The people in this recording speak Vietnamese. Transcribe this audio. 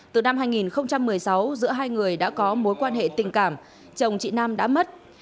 từ năm hai nghìn một mươi sáu giữa hai người đã có mối quan hệ tình cảm chồng chị nam đã mất